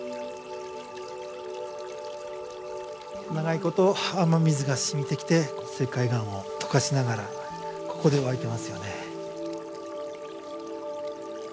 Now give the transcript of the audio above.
長いこと雨水がしみてきて石灰岩を溶かしながらここで湧いてますよね。